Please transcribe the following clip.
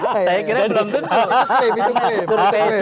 saya kira belum tentu